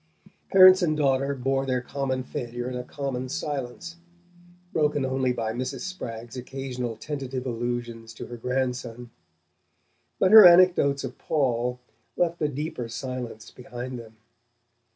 Parents and daughter bore their common failure in a common silence, broken only by Mrs. Spragg's occasional tentative allusions to her grandson. But her anecdotes of Paul left a deeper silence behind them.